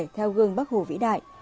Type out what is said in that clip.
theo gương bắc hồ vĩ đại